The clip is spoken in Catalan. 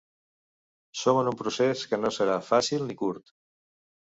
Som en un procés que no serà fàcil ni curt.